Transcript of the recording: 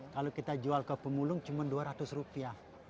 kalau kita jual ke pemulung cuma dua ratus rupiah